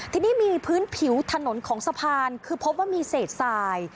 ทีนี้มีพื้นผิวถนนของสะพานคือพบว่ามีเศษสาย